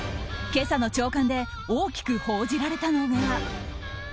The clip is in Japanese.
今朝の朝刊で大きく報じられたのが。